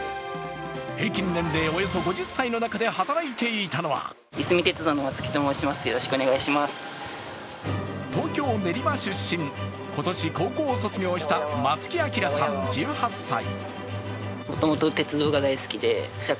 平均年齢およそ５０歳の中で働いていたのは東京・練馬出身、今年高校を卒業した松木聖さん１８歳。